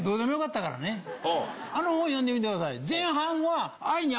あの本読んでみてください。